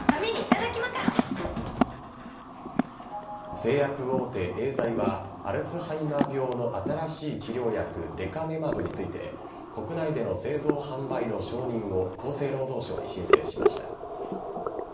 製薬大手、エーザイはアルツハイマー病の新しい治療薬、レカネマブについて、国内での製造・販売の承認を厚生労働省に申請しました。